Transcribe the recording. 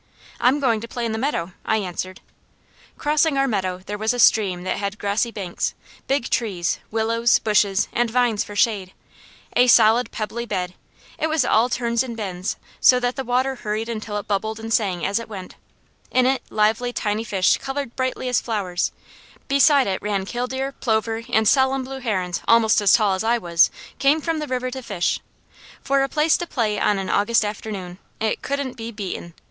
"I'm going to play in the creek," I answered. Crossing our meadow there was a stream that had grassy banks, big trees, willows, bushes and vines for shade, a solid pebbly bed; it was all turns and bends so that the water hurried until it bubbled and sang as it went; in it lived tiny fish coloured brightly as flowers, beside it ran killdeer, plover and solemn blue herons almost as tall as I was came from the river to fish; for a place to play on an August afternoon, it couldn't be beaten.